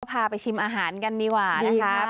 พาไปชิมอาหารกันดีกว่านะคะ